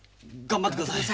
頑張って下さい。